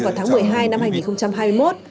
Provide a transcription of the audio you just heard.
vào tháng một mươi hai năm hai nghìn hai mươi một